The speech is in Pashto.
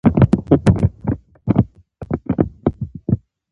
علم يو ناپايه سمندر دی.